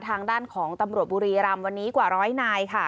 ทางด้านของตำรวจบุรีรำวันนี้กว่าร้อยนายค่ะ